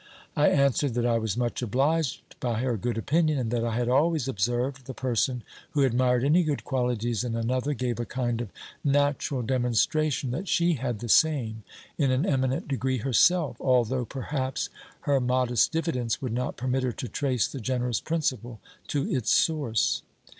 I answered, that I was much obliged by her good opinion: and that I had always observed, the person who admired any good qualities in another, gave a kind of natural demonstration, that she had the same in an eminent degree herself, although, perhaps, her modest diffidence would not permit her to trace the generous principle to its source.